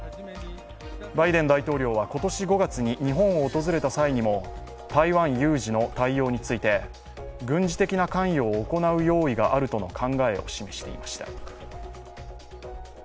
バイデン大統領は今年５月に日本を訪れた際にも台湾有事の対応について、軍事的な関与を行う用意があるとの考えを示していました。